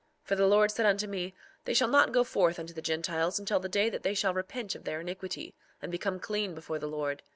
4:6 For the Lord said unto me: They shall not go forth unto the Gentiles until the day that they shall repent of their iniquity, and become clean before the Lord.